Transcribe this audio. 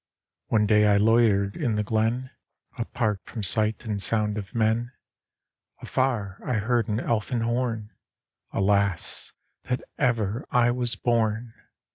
One day I loitered in the glen, Apart from sight and sound of men ; Afar I heard an elfin horn — Alas ! that ever I was born